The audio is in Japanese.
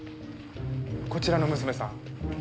こちらの娘さん。